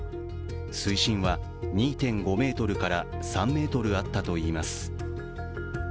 水深は２．５ｍから３ｍあったといいます。